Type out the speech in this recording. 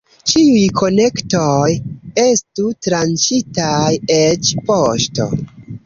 Ĉiuj konektoj estu tranĉitaj, eĉ poŝto.